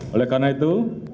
oleh karena itu